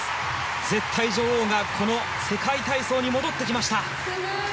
絶対女王がこの世界体操に戻ってきました。